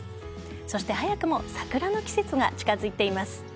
そして早くも桜の季節が近づいています。